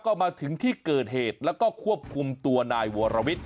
ก็มาถึงที่เกิดเหตุแล้วก็ควบคุมตัวนายวรวิทย